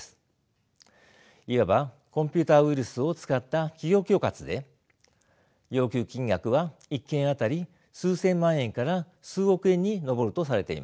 いわばコンピューターウイルスを使った企業恐喝で要求金額は１件当たり数千万円から数億円に上るとされています。